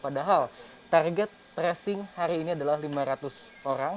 padahal target tracing hari ini adalah lima ratus orang